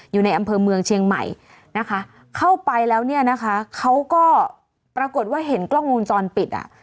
อยู่ในอำเภอเมืองเชียงใหม่นะคะเข้าไปแล้วเนี่ยนะคะเขาก็ปรากฏว่าเห็นกล้องวงจรปิดอ่ะ